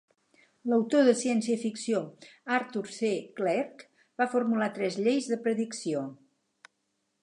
L'autor de ciència-ficció Arthur C. Clarke va formular tres lleis de predicció.